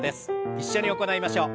一緒に行いましょう。